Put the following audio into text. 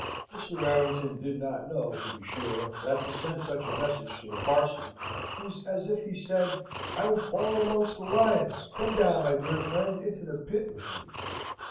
Mr. Warrington did not know, to be sure, that to send such a message to the parson was as if he said, "I am fallen amongst the lions. Come down, my dear friend, into the pit with me."